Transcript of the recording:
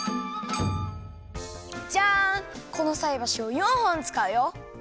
このさいばしを４ほんつかうよ！